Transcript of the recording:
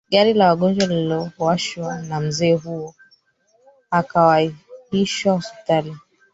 gari la wagonjwa lililowashwa na mzee huyo akawahishwa hospitali